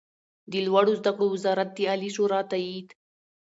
د لوړو زده کړو وزارت د عالي شورا تائید